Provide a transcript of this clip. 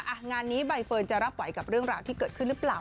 งานนี้ใบเฟิร์นจะรับไหวกับเรื่องราวที่เกิดขึ้นหรือเปล่า